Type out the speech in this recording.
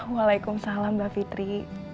waalaikumsalam mbak fitri